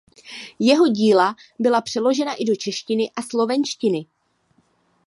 Jeho díla byla přeložena i do češtiny a slovenštiny.